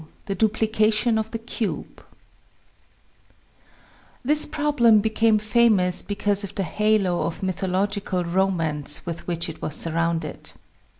THE DUPLICATION OF THE CUBE HIS problem became famous because of the halo of mythological romance with which it was sur rounded.